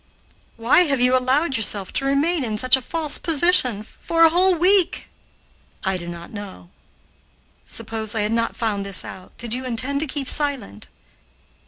"Why have you allowed yourself to remain in such a false position for a whole week?" "I do not know." "Suppose I had not found this out, did you intend to keep silent?"